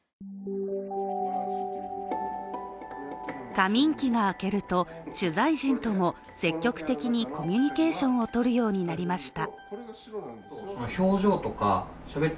過眠期が明けると取材陣とも積極的にコミュニケーションを取るようになりました。